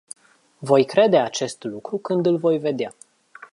Voi crede acest lucru când îl voi vedea.